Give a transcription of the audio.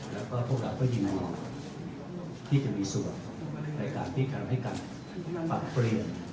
แล้วก็พวกเราก็ยินยอมที่จะมีส่วนในการที่จะให้การปรับเปลี่ยน